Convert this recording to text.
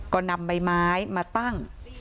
ก็นำใบไม้มาตั้ง